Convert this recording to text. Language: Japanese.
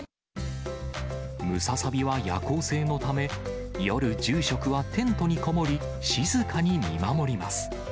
ムササビは夜行性のため、夜、住職はテントに籠もり、静かに見守ります。